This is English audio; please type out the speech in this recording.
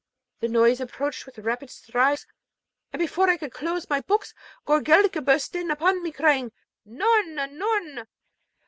The noise approached with rapid strides, and before I could close my books Goorelka burst in upon me, crying, 'Noorna! Noorna!'